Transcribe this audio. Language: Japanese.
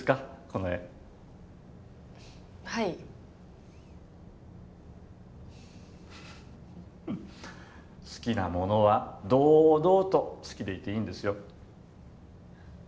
この絵はい好きなものは堂々と好きでいていいんですよ